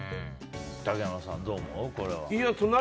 竹山さん、どう思う？